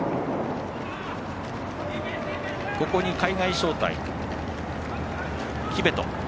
ここに海外招待キベト。